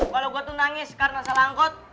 kalau gue tuh nangis karena salah angkot